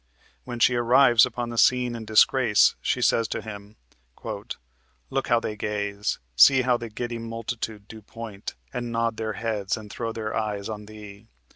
When she arrives upon the scene in disgrace, she says to him: "Look how they gaze; See how the giddy multitude do point And nod their heads and throw their eyes on thee.